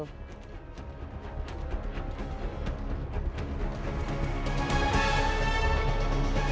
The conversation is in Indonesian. oke terima kasih chris